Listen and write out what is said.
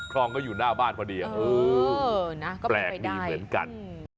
คลองก็อยู่หน้าบ้านพอดีก็แปลกดีเหมือนกัน